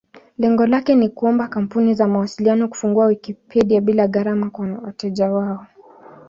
Lengo lake ni kuomba kampuni za mawasiliano kufungua Wikipedia bila gharama kwa wateja wao.